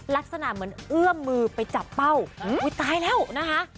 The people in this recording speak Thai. ลักษณะเหมือนเอื้อมมือไปจับเป้าอุ้ยตายแล้วนะคะ